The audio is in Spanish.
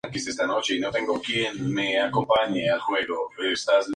Tres encuentros, decisivos, siguieron: con Hubert Haddad, Marcel Moreau y Bernard Noël.